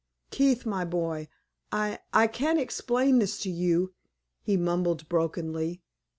"Keith, my boy, I I can't explain this to you," he mumbled, brokenly.